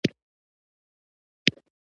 د بایومتریک سیستم حاضري دقیق کوي